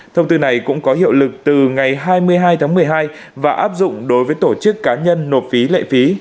thông tư này cũng có hiệu lực từ ngày hai mươi hai tháng một mươi hai và áp dụng đối với tổ chức cá nhân nộp phí lệ phí